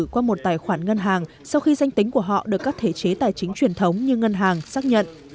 qua một tài khoản ngân hàng sau khi danh tính của họ được các thể chế tài chính truyền thống như ngân hàng xác nhận